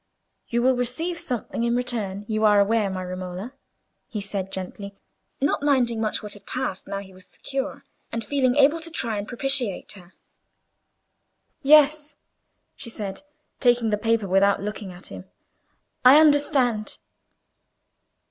"You will receive something in return, you are aware, my Romola?" he said, gently, not minding so much what had passed, now he was secure; and feeling able to try and propitiate her. "Yes," she said, taking the paper, without looking at him, "I understand."